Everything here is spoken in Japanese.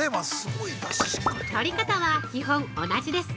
◆取り方は基本、同じです。